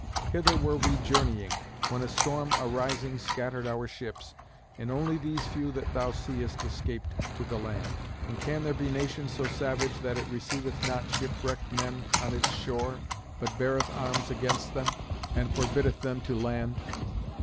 Hither were we journeying, when a storm arising scattered our ships, and only these few that thou seest escaped to the land. And can there be nation so savage that it receiveth not shipwrecked men on its shore, but beareth arms against them, and forbiddeth them to land?